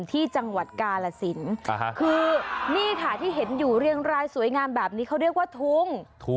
ที่จังหวัดกาลสินคือนี่ค่ะที่เห็นอยู่เรียงรายสวยงามแบบนี้เขาเรียกว่าทุ้ง